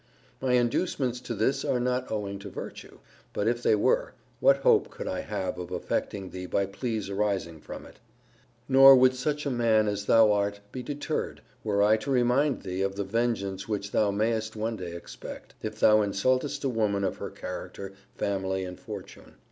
My inducements to this are not owing to virtue: But if they were, what hope could I have of affecting thee by pleas arising from it? Nor would such a man as thou art be deterred, were I to remind thee of the vengeance which thou mayest one day expect, if thou insultest a woman of her character, family, and fortune.